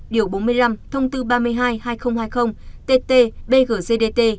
điều bốn mươi năm thông tư ba mươi hai hai nghìn hai mươi tt bgcdtt